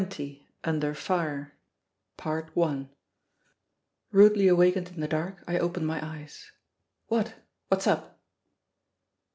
XX Under Fire RUDELY awakened in the dark, I open my eyes: "What? What's up?"